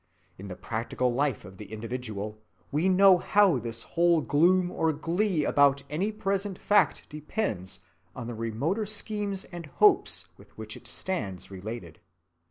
In the practical life of the individual, we know how his whole gloom or glee about any present fact depends on the remoter schemes and hopes with which it stands related.